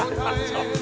ちょっと。